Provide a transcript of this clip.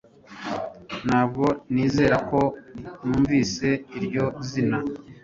Ntabwo nizera ko numvise iryo zina